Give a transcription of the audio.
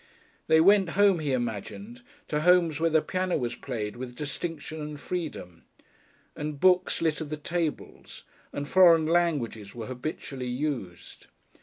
They went home, he imagined, to homes where the piano was played with distinction and freedom, and books littered the tables, and foreign languages were habitually used.